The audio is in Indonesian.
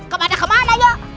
kau pada kemana ya